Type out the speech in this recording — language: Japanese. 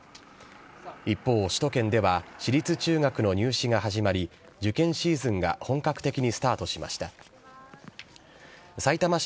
一方、首都圏では、私立中学の入試が始まり、受験シーズンが本格的にスタートしました。